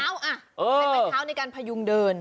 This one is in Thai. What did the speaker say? ถึงไม้เท้าให้ไม้เท้าในการพยุงเดิน